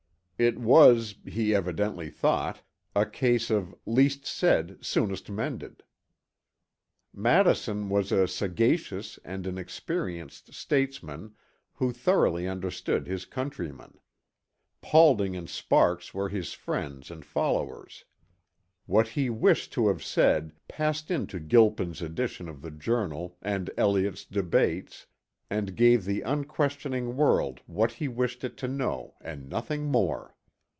It was, he evidently thought, a case of "least said, soonest mended." Madison was a sagacious and an experienced statesman who thoroughly understood his countrymen; Paulding and Sparks were his friends and followers; what he wished to have said passed into Gilpin's edition of the Journal and Elliot's Debates, and gave the unquestioning world what he wished it to know and nothing more.